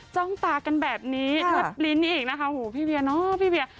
จ้องตากันแบบนี้แทบลิ้นอีกนะคะโหพี่เวียเนาะพี่เวีย